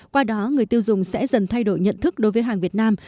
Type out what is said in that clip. qua đó người tiêu dùng sẽ dần thay đổi nhận thức đối với hàng việt nam